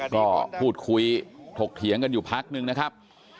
ก็พูดคุยถกเถียงกันอยู่พักนึงนะครับ